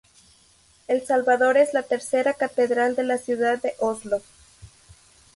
El Salvador es la tercera catedral de la ciudad de Oslo.